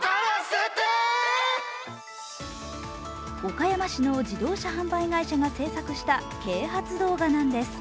岡山市の自動車販売会社が制作した啓発動画なんです。